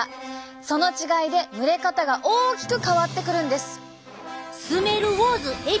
その違いで蒸れ方が大きく変わってくるんです。